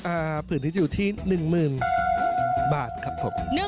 อ่าผืนนี้จะอยู่ที่๑๐๐๐๐บาทครับผม